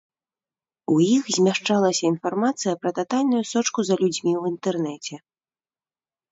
У іх змяшчалася інфармацыя пра татальную сочку за людзьмі ў інтэрнэце.